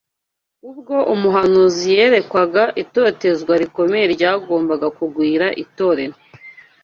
Ubwo umuhanuzi yerekwaga itotezwa rikomeye ryagombaga kugwira itorero